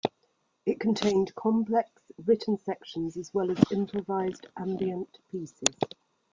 It contained complex written sections as well as improvised ambient pieces.